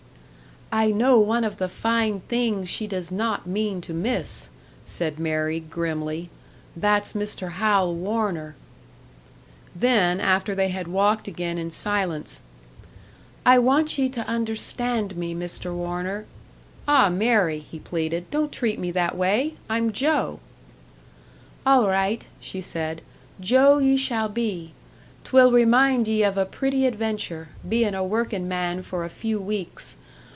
"I know one of the fine things she does not mean to miss," said Mary, grimly; "that's Mr. Hal Warner." Then, after they had walked again in silence: "I want ye to understand me, Mr. Warner " "Ah, Mary!" he pleaded. "Don't treat me that way! I'm Joe." "All right," she said, "Joe ye shall be. 'Twill remind ye of a pretty adventure bein' a workin' man for a few weeks.